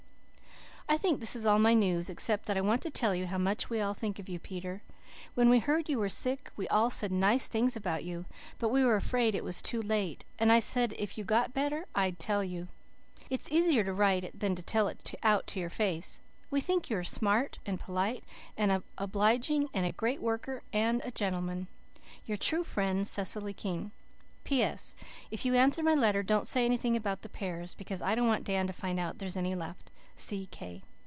"I think this is all my news, except that I want to tell you how much we all think of you, Peter. When we heard you were sick we all said nice things about you, but we were afraid it was too late, and I said if you got better I'd tell you. It is easier to write it than to tell it out to your face. We think you are smart and polite and obliging and a great worker and a gentleman. "Your true friend, "CECILY KING. "P.S. If you answer my letter don't say anything about the pears, because I don't want Dan to find out there's any left.